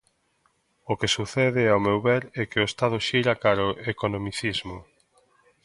O que sucede, ao meu ver, é que o Estado xira cara ao economicismo.